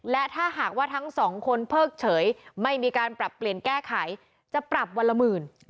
และถ้าหากว่าทั้งสองคนเพิกเฉยไม่มีการปรับเปลี่ยนแก้ไขจะปรับวันละหมื่น